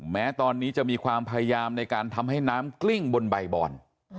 แม้ตอนนี้จะมีความพยายามในการทำให้น้ำกลิ้งบนใบบอน